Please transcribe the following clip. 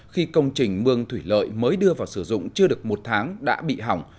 khi công trình mương thủy lợi mới đưa vào sử dụng chưa được một tháng đã bị hỏng